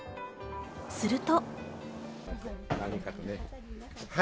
すると。